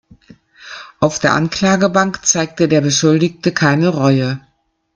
Auf der Anklagebank zeigte der Beschuldigte keine Reue.